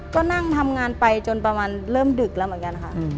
ก็นั่งทำงานไปจนประมาณเริ่มดึกแล้วเหมือนกันค่ะ